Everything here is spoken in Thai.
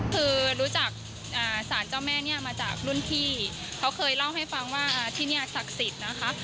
คือรู้จักสารเจ้าแม่เนี่ยมาจากรุ่นพี่เขาเคยเล่าให้ฟังว่าที่นี่ศักดิ์สิทธิ์นะคะ